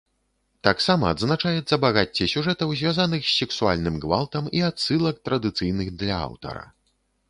Таксама адзначаецца багацце сюжэтаў, звязаных з сексуальным гвалтам, і адсылак, традыцыйных для аўтара.